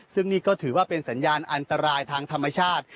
ซึ่งนี่ก็ถือว่าเป็นสัญญาณอันตรายทางธรรมชาติ